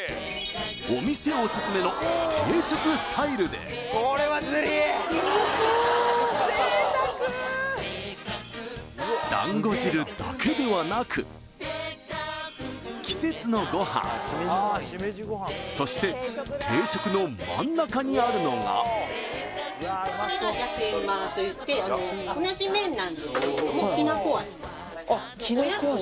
お店オススメの定食スタイルでだんご汁だけではなくそして定食の真ん中にあるのがといってあっきな粉味